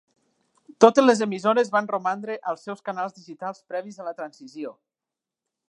Totes les emissores van romandre als seus canals digitals previs a la transició.